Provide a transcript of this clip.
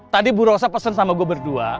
tadi bu rosa pesen sama gue berdua